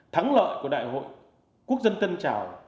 thắng lợi của đại hội quốc dân tân trào